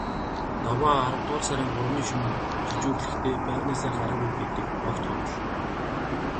Даваа аравдугаар сарын гуравны шөнө жижүүрлэхдээ байрнаасаа гараагүй гэдэг огт худал.